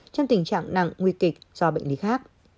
trong tình trạng nặng nguy kịch do bệnh lý khác